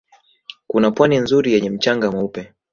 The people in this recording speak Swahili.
Kuna Pwani nzuri yenye mchanga mweupe